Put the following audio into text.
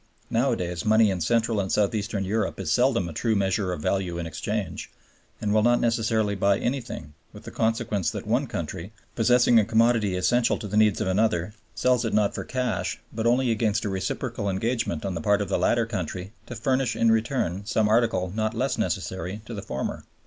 Nowadays money in Central and South Eastern Europe is seldom a true measure of value in exchange, and will not necessarily buy anything, with the consequence that one country, possessing a commodity essential to the needs of another, sells it not for cash but only against a reciprocal engagement on the part of the latter country to furnish in return some article not less necessary to the former.